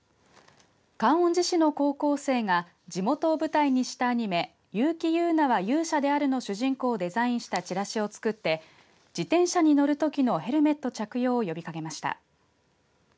観音寺市の高校生が地元を舞台にしたアニメ結城友奈は勇者であるの主人公をデザインしたチラシを作って自転車に乗るときのヘルメットの着用を呼びかけました。